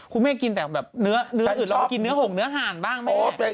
คุณแม่กินแต่แบบเนื้ออื่นลองกินเนื้อห่งเนื้อหานบ้างไหม